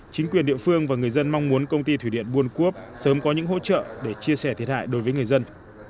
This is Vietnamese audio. chính quyền địa phương và người dân mong muốn công ty thủy điện buôn cốp sớm có những hỗ trợ để chia sẻ thiệt hại đối với người dân